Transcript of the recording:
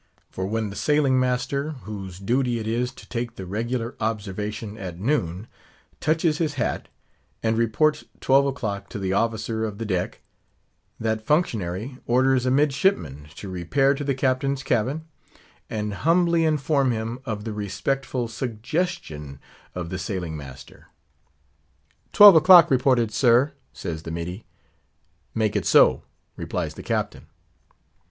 For when the sailing master, whose duty it is to take the regular observation at noon, touches his hat, and reports twelve o'clock to the officer of the deck; that functionary orders a midshipman to repair to the captain's cabin, and humbly inform him of the respectful suggestion of the sailing master. "Twelve o'clock reported, sir," says the middy. "Make it so," replies the captain.